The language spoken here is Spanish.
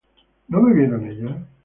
¿no bebieron ellas?